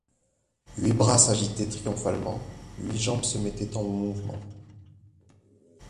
Huit bras s'agitaient triomphalement, huit jambes se mettaient en mouvement.